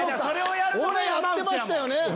俺やってましたよね。